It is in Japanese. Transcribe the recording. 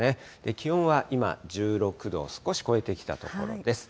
気温は今１６度を少し超えてきたところです。